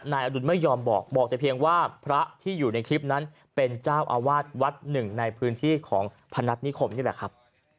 อดุลไม่ยอมบอกบอกแต่เพียงว่าพระที่อยู่ในคลิปนั้นเป็นเจ้าอาวาสวัดหนึ่งในพื้นที่ของพนัฐนิคมนี่แหละครับ